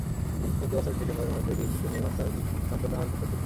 চলতি বছরের ডিসেম্বরের মধ্যেই তিন সেতুর নির্মাণকাজ সম্পন্ন হওয়ার কথা ছিল।